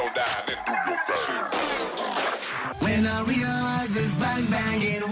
โอ้โหมันคึกอะไรขนาดนั้น